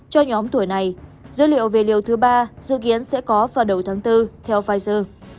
cho nhóm tuổi này dữ liệu về liều thứ ba dự kiến sẽ có vào đầu tháng bốn theo pfizer